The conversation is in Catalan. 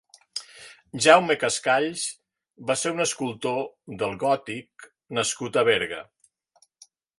Jaume Cascalls va ser un escultor del gòtic nascut a Berga.